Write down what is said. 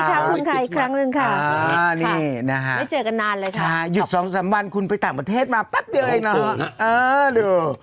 สวัสดีค่ะคุณไข่อีกครั้งนึงค่ะไม่เจอกันนานเลยค่ะค่ะหยุดสองสามวันคุณไปต่างประเทศมาปั๊บเดียวเองเนาะอ๋อดู